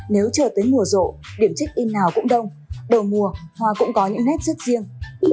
nếu chờ tới mùa rộ điểm check in nào cũng đông đầu mùa hoa cũng có những nét rất riêng